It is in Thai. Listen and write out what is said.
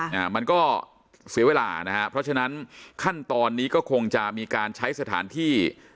อ่ามันก็เสียเวลานะฮะเพราะฉะนั้นขั้นตอนนี้ก็คงจะมีการใช้สถานที่